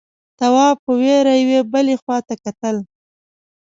تواب په وېره يوې بلې خواته کتل…